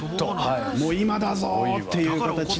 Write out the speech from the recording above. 今だぞという形で。